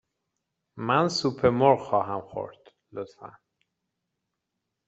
من سوپ مرغ خواهم خورد، لطفاً.